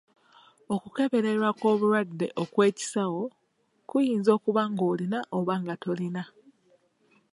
Okukeberebwa kw'obulwadde okw'ekisawo kuyinza okuba ng'olina oba nga tolina.